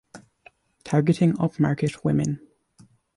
Targeting upmarket women.